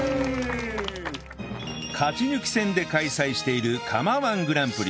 勝ち抜き戦で開催している釜 −１ グランプリ